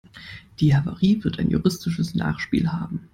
Die Havarie wird ein juristisches Nachspiel haben.